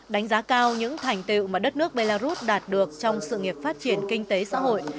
đánh giá cao những thành tiệu mà đất nước belarus đạt được trong sự nghiệp phát triển kinh tế xã hội